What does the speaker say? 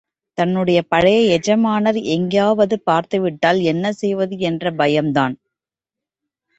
தன்னுடைய பாழய எஜமானர் எங்கேயாவது பார்த்துவிட்டால் என்ன செய்வது என்ற பயம்தான்!